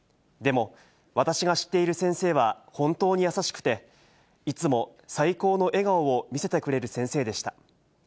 でも、私が知っている先生は本当に優しくて、いつも最高の笑顔を見せてくれる先生でした。